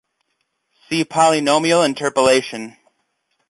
See polynomial interpolation.